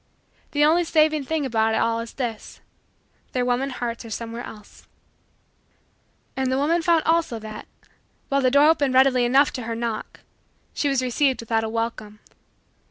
The only saving thing about it all is this: their woman hearts are somewhere else. And the woman found also that, while the door opened readily enough to her knock, she was received without a welcome.